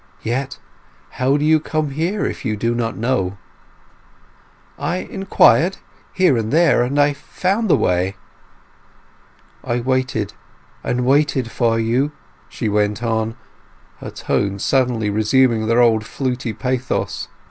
Yet how do you come here if you do not know?" "I inquired here and there, and I found the way." "I waited and waited for you," she went on, her tones suddenly resuming their old fluty pathos.